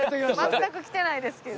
全く来てないですけど。